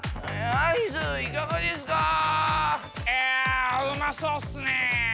いやうまそうっすね！